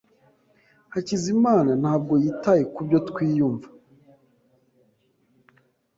Hakizimana ntabwo yitaye kubyo twiyumva.